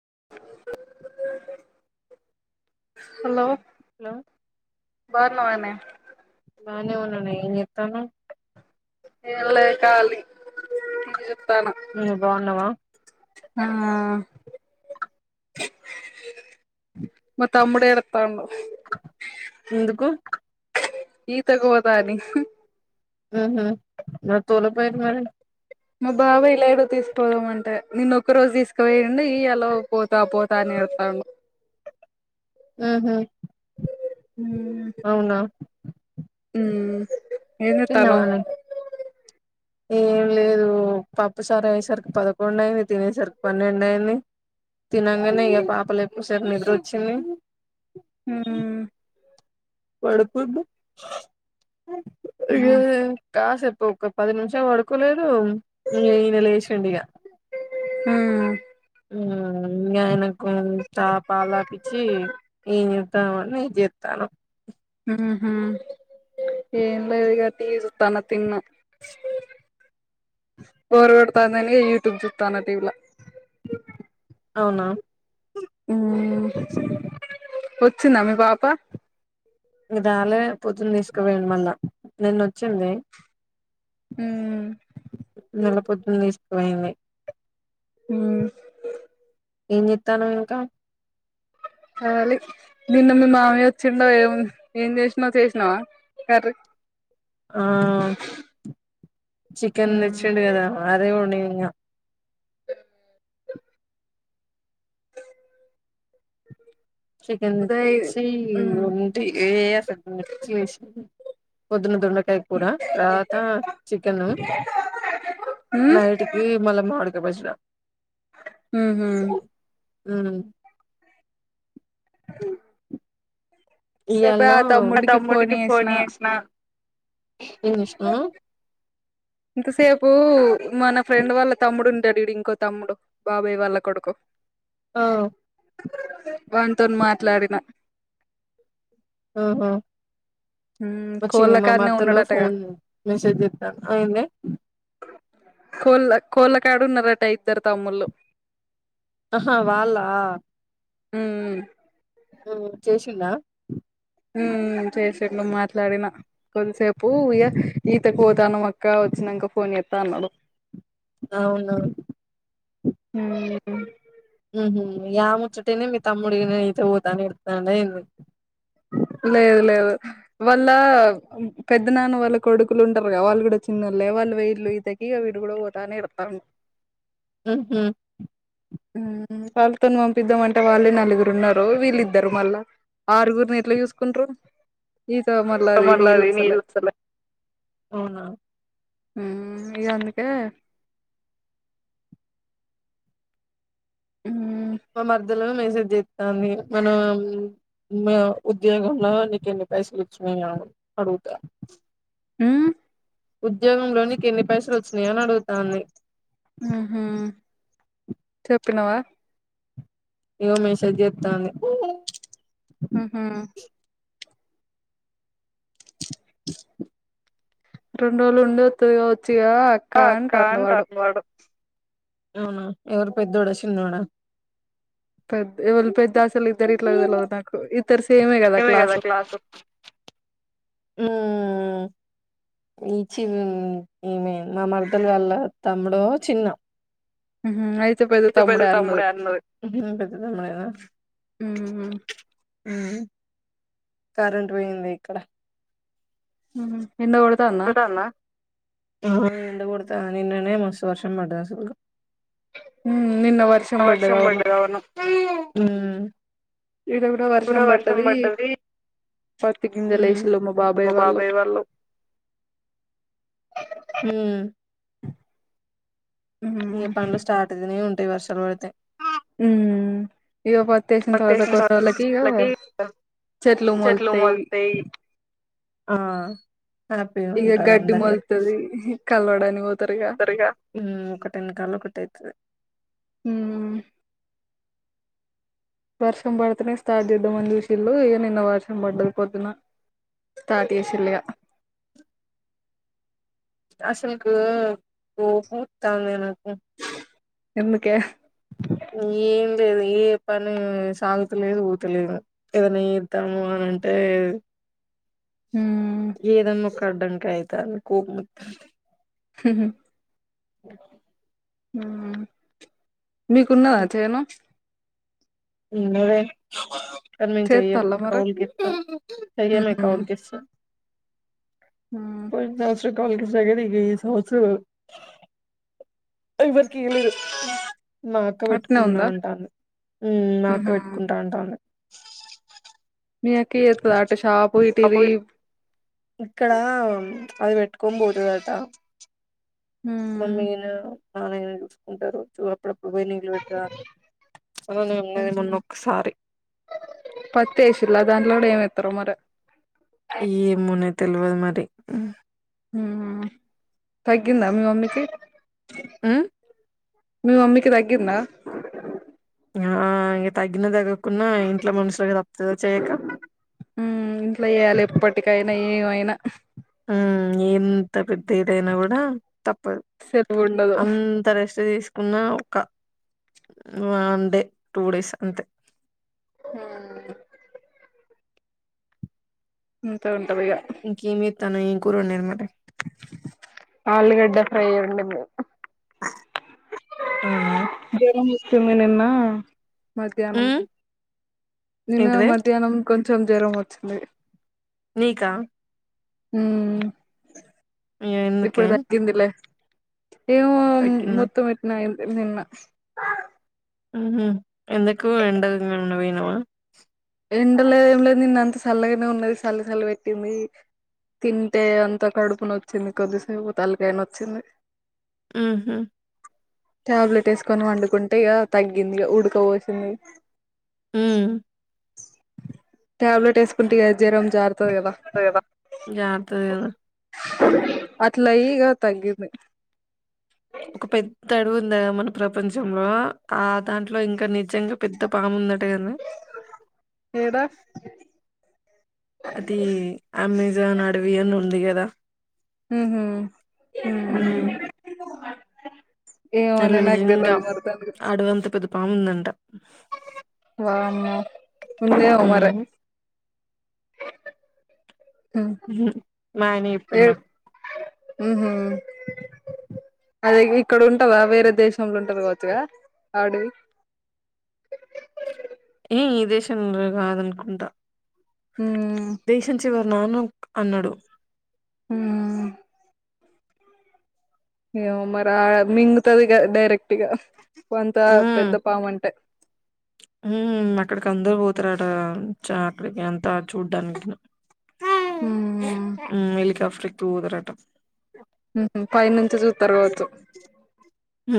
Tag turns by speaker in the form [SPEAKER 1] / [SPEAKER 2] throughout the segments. [SPEAKER 1] [inaudible] Hello
[SPEAKER 2] లో
[SPEAKER 1] బావున్న అనే
[SPEAKER 2] బానే ఉన్నాన ఏం చేత్తాండు.
[SPEAKER 1] ఏదో లేఖాలి
[SPEAKER 2] నువ్ బాగున్నావ
[SPEAKER 1] ఆ మా తమ్ముడు ఎడత్తాండు
[SPEAKER 2] ఎందుకు
[SPEAKER 1] ఈత గోదాని
[SPEAKER 2] ఊహు నువ్ తోలపోయి మరి
[SPEAKER 1] మా బాబాయ్ లేడు తీసుకుపోదామంటే నేను ఒక్క రోజు తీసుకువేయండి ఇయాల పోతా పోతా న నంటాడు
[SPEAKER 2] ఊహు అవున
[SPEAKER 1] మ్ ఏం చెత్తాన్నావ్
[SPEAKER 2] తిన్నావానే ఏం లేదు పప్పుసార అయ్యేసరికి పదకొండు అయింది తినేసరికి పన్నెండు అయింది తినంగానే ఇక పాపలే ఎప్పు సేప్ నిద్ర వచ్చింది
[SPEAKER 1] హు
[SPEAKER 2] పడుకొని ఇగ ఒక్క పది నిమిషాలు పడుకోలేదు ఇక ఈయన లేచుండిక
[SPEAKER 1] మ్మ్
[SPEAKER 2] ఉమ్ ఇంగ ఆయనకు చ పాల్ తాపిచ్చి ఈతామన్నని చే స్తాను
[SPEAKER 1] ఊహు ఏంలేదిక టీవీ చూత్తన్న తిన్నం బోర్ కొడతా ఉందని యూట్యూబ్ చూస్తాన టీవీ లా
[SPEAKER 2] అవున
[SPEAKER 1] వచ్చిందా మీ పాప
[SPEAKER 2] ఇదాలే పొద్దున్ తీసుకుపోయిండు మళ్ళ నిేన్న వచ్చింది
[SPEAKER 1] మ్మ్
[SPEAKER 2] మళ్ళ పొద్దున తీసుకుపోయింది
[SPEAKER 1] ఉ
[SPEAKER 2] ఏం చెత్తానువ్ ఇంకా
[SPEAKER 1] మ మమ్మికి నిన్న మీ మామయ్య వచ్చిండో ఏమో ఏం చేసినా చేసినావా కర్రీ
[SPEAKER 2] ఆ చికెన్ తెచ్చిండు కదా అదే వండి ఇయ చికెన్
[SPEAKER 1] ఉదయ్ ఉమ్
[SPEAKER 2] తెచ్చి ఉంటే [unintelligible] పొద్దున దొండ కాయ కూర తర్వాత చికెన్,
[SPEAKER 1] ఉమ్
[SPEAKER 2] నైట్ కి మళ్ళ మాడు ఇంత బొచ్చిడ
[SPEAKER 1] ఊహు
[SPEAKER 2] అ హు ఇయాళను అ మా తమ్ముడికి ఫోన్ చేసిన ఏం చేసినవ్
[SPEAKER 1] ఇంత సేపు మన ఫ్రెండ్ వాళ్ళ తమ్ముడు ఉంటాడు చూడు ఇంకో తమ్ముడు బాబాయ్ వాళ్ళ కొడుకు
[SPEAKER 2] ఆ
[SPEAKER 1] వాన్ తోని మాట్లాడిన
[SPEAKER 2] ఆహ
[SPEAKER 1] ఉమ్ కోళ్ళ
[SPEAKER 2] వచ్చింది మా
[SPEAKER 1] కాడనే
[SPEAKER 2] మరదలు
[SPEAKER 1] ఉన్నాడటగా
[SPEAKER 2] ఫోన్ మెసేజ్ చెత్తంది అయిందా
[SPEAKER 1] కోళ కోళ్ళకాడ ఉన్నారట ఇద్దరు తమ్ముళ్లు
[SPEAKER 2] ఆహా వాళ్ళ
[SPEAKER 1] ఊ
[SPEAKER 2] ఉమ్ చేసిండా
[SPEAKER 1] ఊ చేసిండు మాట్లాడిన కొద్దిసేపు ఈతకు పోతున్నాం అక్క వచ్చి నంక ఫోన్ చెత్త అన్నాడు
[SPEAKER 2] అవునవును
[SPEAKER 1] ఊ
[SPEAKER 2] ఉహు ఆ ముచ్చట విని మీ తమ్ముడి ఈతకు పోతానాని ఏడుత్తండా ఏందీ
[SPEAKER 1] [unintelligible] లేదులేదు వాళ్ళ పెద్దనాన్న వాళ్ళ కొడుకులుంటరు గా వాళ్ళు కూడా చిన్నోల్లే వాళ్ళు పోయీళ్లు ఈతకి విడు కూడా పోతా అని ఏడుస్తా
[SPEAKER 2] ఉహు
[SPEAKER 1] ఊ వాళ్ళతోని పంపిద్దామంటే వాళ్ళే నలుగురు ఉన్నారు వీళ్ళు ఇద్దరూ మళ్ళా ఆరుగురిని ఎట్లా చూసుకుంటరు ఈత మళ్ళా అవి
[SPEAKER 2] మళ్ళ
[SPEAKER 1] నీళ్ళు
[SPEAKER 2] అది
[SPEAKER 1] అసలే
[SPEAKER 2] వస్తలే అవునా
[SPEAKER 1] ఉమ్ ఇగ అందుకే ఉమ్
[SPEAKER 2] మా మరదలు నే చెస్తాంది మనం ఉద్యోగంలో నీకు ఎన్ని పైసలు వచ్చినాయా ఎంఅని అడగుతా
[SPEAKER 1] ఉమ్
[SPEAKER 2] ఉద్యోగంలో నీకెన్ని పైసలు వచ్చినయని అడుగుతాంది
[SPEAKER 1] ఉహు చెప్పినవా
[SPEAKER 2] ఇగ మెసేజ్ చెత్తంది
[SPEAKER 1] ఉహు రెండు రోజులు ఉండి వత్తాది కావొచ్చు ఇగ అక్కా అంటాండు వాడు
[SPEAKER 2] అవునా ఎవరు పెద్దోడా, చిన్నోడా
[SPEAKER 1] పెద్ద ఎవలు పెద్ద ఆసలు ఇద్దరిట్లో తెల్వదు నాకు ఇద్దరు సేమే కదా
[SPEAKER 2] మేమే
[SPEAKER 1] క్లాస్
[SPEAKER 2] ము ఈ చిన్ను మా మరదల వల్ల తమ్ముడు చిన్న
[SPEAKER 1] ఉహు అయి
[SPEAKER 2] [unintelligible] ఉమ్ కరెంట్ పోయింది ఇక్కడ
[SPEAKER 1] ఉహు ఎండా కొడతందా
[SPEAKER 2] ఉహు ఎండకొడుతంది నిన్ననే మస్తు వర్షం పడ్డది అసలుకు వర్షం పడ్డది అవును ఈడా వర్షం పడ్డది
[SPEAKER 1] పత్తి
[SPEAKER 2] ఉ
[SPEAKER 1] గింజలు వేసిల్లు మా
[SPEAKER 2] [unintelligible] బాబాయ్ వాళ్ళు ఊ ఇంక పనులు స్టార్ట్ అయితేనే ఉంటాయి వర్షాలు పడితే
[SPEAKER 1] ఊ ఇగ పత్తి
[SPEAKER 2] పత్తేసిన తోటలకి
[SPEAKER 1] [unintelligible] చెట్లు మొల్తాయి
[SPEAKER 2] ఆ హ్యాపీగా
[SPEAKER 1] ఇక
[SPEAKER 2] ఉంటారు.
[SPEAKER 1] గడ్డి
[SPEAKER 2] అందరు ఇగా,
[SPEAKER 1] మొలుతది కలవడానికి పోతారు ఇక
[SPEAKER 2] వస్తరు ఇగా మ్ ఒకట వెనకాల అట్టయితది.
[SPEAKER 1] ఉమ్ వర్షం పడితేనే స్టార్ట్ చేద్దాంమని చూషిలు, ఇగా నిన్న వర్షం పడ్డది పొద్దున. పార్టీ చేసిలు ఇగా
[SPEAKER 2] అసలుకు కోపమస్తుందిగా. నాకు
[SPEAKER 1] ఎందుకే
[SPEAKER 2] ఏం లేదు, ఏ పని సాగుతలేదు, ఊతలేదు, ఏదైనా చేద్దాము. అ అంటే
[SPEAKER 1] ఉమ్
[SPEAKER 2] ఏదన్నా, ఒక అడ్డంక అయితది కోపము వస్తాంది.
[SPEAKER 1] ఉ హు
[SPEAKER 2] గటనే
[SPEAKER 1] అ మీకున్నదా? చేను
[SPEAKER 2] ఉన్నదే. కాని మెమ్ చెయమ్
[SPEAKER 1] చేత్తల్ల మరి
[SPEAKER 2] కాౌల్ కస్తాం, చయాలె
[SPEAKER 1] ఉహు
[SPEAKER 2] కాౌల్ కిస్తం.
[SPEAKER 1] ఉమ్
[SPEAKER 2] పోయినా సంవ్సరం కవుల్క్ ఇచ్చినం, గదా ఈ సంవ్సరం ఇవరికి ఇయ్యలేదు. మాఅక్క
[SPEAKER 1] అట్నే
[SPEAKER 2] పెట్టుకుంటా
[SPEAKER 1] ఉందా
[SPEAKER 2] ఉంటానది, మాఅక్క మ్
[SPEAKER 1] ఉహు
[SPEAKER 2] పెట్టుకుంటా అంటానది.
[SPEAKER 1] మీ అక్కయా, ఎటు కోదా ఆటోషాప్
[SPEAKER 2] ఇక్కడ అది పెట్టుకోని, పోతదట.
[SPEAKER 1] ఉమ్
[SPEAKER 2] మమ్మీ ను నాన్న ను చూసుకుంటారు. చ్చి అప్పుడప్పుడు ఉబయ నిలు పెడతార్, అన్నది
[SPEAKER 1] ఉహు
[SPEAKER 2] మొన్నొక్కసారి
[SPEAKER 1] పత్తి ఎసిల్లా, దాంట్లో గూడా ఏ ఎస్తారో మరి.
[SPEAKER 2] ఎమోనే తెలువదు. మరి
[SPEAKER 1] మ్ తగ్గిందా. మీ మమ్మీకి
[SPEAKER 2] ఉ
[SPEAKER 1] మీ మమ్మీకి తగ్గిందా?
[SPEAKER 2] ఆ ఇంగా తగ్గిన తగ్గకున్నా, ఇంట్లో మనుషులుగా తప్ప
[SPEAKER 1] ఉ ఇంట్లో ఎయాలి. ఎప్పటికైనా ఏమైనా
[SPEAKER 2] ఉ, ఎంత పెద్ద ఏదైనా గూడా తప్పదు,
[SPEAKER 1] సెలవు ఉండదు
[SPEAKER 2] అంత రెస్ట్ తీసుకున్న, ఒక వన్ డే టూ డేస్ అంతే.
[SPEAKER 1] ఉ అంతే ఉంటాదిగా.
[SPEAKER 2] తను ఎం కూర వొడింది. మరి
[SPEAKER 1] ఆలుగడ్డ ఫ్రై వోడిందేమో
[SPEAKER 2] అవునా
[SPEAKER 1] ఈమె నిన్న మధ్యాహ్నం,
[SPEAKER 2] ఉమ్
[SPEAKER 1] నిన్న
[SPEAKER 2] ఏంటిది
[SPEAKER 1] మధ్యాహ్నం కొ కొంచం జరం వచ్చింది.
[SPEAKER 2] నీకా
[SPEAKER 1] మ్
[SPEAKER 2] ఇగ
[SPEAKER 1] ఇప్పుడు
[SPEAKER 2] ఎందుకే
[SPEAKER 1] తగింది. లె ఎమో
[SPEAKER 2] తగ్గిందా
[SPEAKER 1] మొత్తం, ఎటనో అయింది. నిన్న
[SPEAKER 2] ఉహు, ఎంతకు ఎండకి ఎవన్నా, పోయినవా.
[SPEAKER 1] ఎండలేదు. ఏం లేదు నిన్న అంత చల్లగానే ఉన్నది. చల్లి చల్లి పెట్టింది. తింటే అంత కడుపు నోచ్చింది. కొద్దిసేపు తలకాయ నోచ్చింది.
[SPEAKER 2] ఉహు
[SPEAKER 1] టాబ్లెట్ ఎసుకొని వండుకుం. అట్టే ఇగా తగ్గింది. ఉడకపొసింది.
[SPEAKER 2] మ్
[SPEAKER 1] టాబ్లెట్ ఏస్కుంటి గ జ్వరం జార్
[SPEAKER 2] తదితర గద జార్తది
[SPEAKER 1] అట్లయ్ ఇగ తగ్గింది
[SPEAKER 2] ఒక పెద్ద అడివుంది కదా మన ప్రపంచంలో ఆ దాంట్లో ఇంకా ని నిజంగా పెద్ద పాము ఉందటగాని
[SPEAKER 1] ఏడా
[SPEAKER 2] అది అమెజాన్ అడవి అని ఉంది గదా
[SPEAKER 1] మ్హ్
[SPEAKER 2] ఉమ్
[SPEAKER 1] ఏ ఒ నె
[SPEAKER 2] దాంట్లో
[SPEAKER 1] నగ్ దెల్వదు మరి దన్న గురించి
[SPEAKER 2] పాముందంట
[SPEAKER 1] వామ్మొ ఉందేమొ మరె
[SPEAKER 2] ఉమ్
[SPEAKER 1] ఉమ్
[SPEAKER 2] మ్హ్ మాయ్న యెప్పిన్నక్
[SPEAKER 1] మ్హ్ అది గిక్కడ ఉంటదా వేరే దేశంలో ఉంటది గావచ్చు గ అడవి
[SPEAKER 2] ఏ ఈ దేశంలో గాదన్కుంటా
[SPEAKER 1] ఉమ్
[SPEAKER 2] దేశం చివ నాను అన్నడు
[SPEAKER 1] మ్ ఏవొ మర్ ఆ మింగుతదిగ డైరెక్ట్గా కొంత
[SPEAKER 2] ఉమ్
[SPEAKER 1] పెద్ద పాము అంటే
[SPEAKER 2] అక్కడికి అందరుూ పోతరట చ అక్కడికి ఎంత చూడ్డానికి
[SPEAKER 1] ఉమ్
[SPEAKER 2] ఎలికాఫ్ర్టెకి వోతరట
[SPEAKER 1] మ్ మ్ పైనుంచి చూస్తరు కావచ్చు
[SPEAKER 2] మ్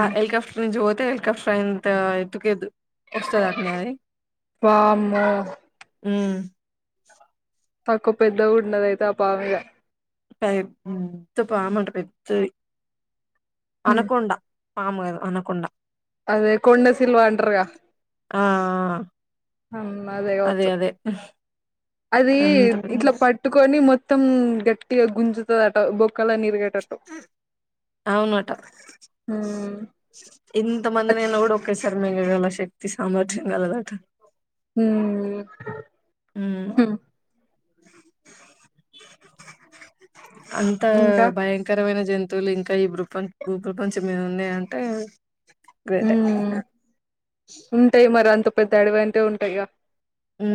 [SPEAKER 2] ఆ
[SPEAKER 1] ఉమ్
[SPEAKER 2] ఎలికాప్ట్ర్ నుంచి వొ ంతక ఫ ఇంత ఎటుకేదు
[SPEAKER 1] వామ్మో
[SPEAKER 2] మ్
[SPEAKER 1] తక్కువ పెద్ద గుండదైతే ఆ పామిగ
[SPEAKER 2] పెద్ద పాముంట పెద్దది
[SPEAKER 1] ఉమ్
[SPEAKER 2] అనకొండా పాముగదె అనకొండ
[SPEAKER 1] అదే కొన్నసిల్వాంటర్గా
[SPEAKER 2] ఆ
[SPEAKER 1] అమ్ అదే గావచ్చు అది
[SPEAKER 2] అంత
[SPEAKER 1] ఇట్లా
[SPEAKER 2] పెద్దగుంటది
[SPEAKER 1] పట్టుకొని మొత్తం గట్టిగా గుంజుత
[SPEAKER 2] అవునట
[SPEAKER 1] హ్మ్
[SPEAKER 2] ఇం ఇంత మంది నే కూడా ఒకే సార్ మింంగల శక్తి సామర్థ్యం కలదట
[SPEAKER 1] ఉం
[SPEAKER 2] మ్ అంత
[SPEAKER 1] ఇంకా
[SPEAKER 2] భయంకరమైన జంతు తులు ఇంకా ఈ ప్రుపంచ భూ ప్రపంచం మీద ఉన్నయటే గ్రేటె
[SPEAKER 1] హ్మ్ పెద్దడివంట ఉంటయిగ
[SPEAKER 2] ఉ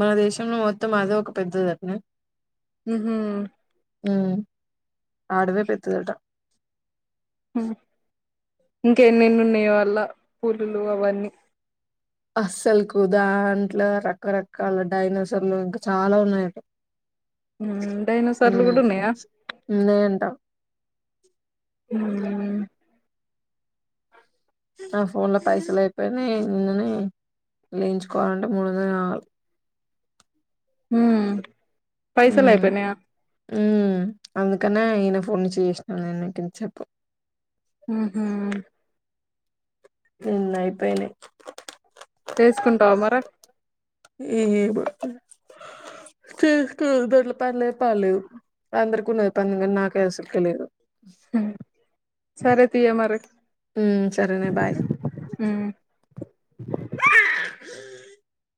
[SPEAKER 2] మన దేశంలో మొత్తం అదో ఒక పెద్దదట
[SPEAKER 1] మ్హ్
[SPEAKER 2] ఉం ఆ ఆడవే పెద్దదట
[SPEAKER 1] ఇంకెన్నెన్ని ఉన్నాయో అల్లా పులులు అవన్నీ
[SPEAKER 2] అస్సలుకు దాంట్లో రకరకాల డైైనాసర్లు ఇంకా చాలా ఉన్నాయట
[SPEAKER 1] హ్మ్ డైనోసార్లు
[SPEAKER 2] మ్
[SPEAKER 1] కూడా ఉన్నాయా
[SPEAKER 2] ఉన్నయంట
[SPEAKER 1] ఉం
[SPEAKER 2] నా ఫోన్ ల పైసల్ అయిపోయినయి నిన్ననె ఏయించుకోవాలంటే మూడ్ ఒందల్గావాలె
[SPEAKER 1] మ్ పైసల్ అయిపోయినయా
[SPEAKER 2] ఉ అందుకనే ఈయన ఫోన్ నుంచి చేసినాను నేనుంత చెప్పు
[SPEAKER 1] ఆహ
[SPEAKER 2] నిన్న అయిపోయినాయి
[SPEAKER 1] వేసుకుంటావా మరా
[SPEAKER 2] ఏ బ ూ దొడ్ల పనులే పాలలేదు అందరికిన్నది పంద కానీ నాకే అసలు తెలి లేదు
[SPEAKER 1] హ్మ్ సరే తీయ మరి
[SPEAKER 2] ఉ సరేన బాయ్
[SPEAKER 1] హ్మ్
[SPEAKER 2] ఏ